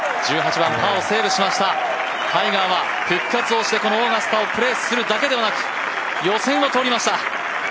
１８番、パーをセーブしましたタイガーは復活をしてこのオーガスタをプレーするだけでなく予選を通りました。